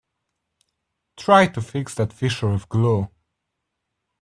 Try to fix that fissure with glue.